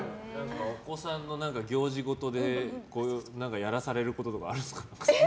お子さんの行事ごとでやらされることとかあるんですか？